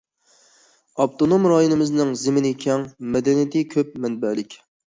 ئاپتونوم رايونىمىزنىڭ زېمىنى كەڭ، مەدەنىيىتى كۆپ مەنبەلىك.